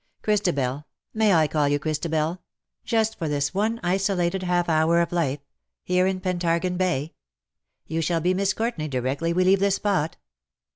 Christabel — may I call you Christabel ?— just for this one isolated half hour of life — here in Pentargon Bay ? You shall be Miss Courtenay directly we leave this spot.''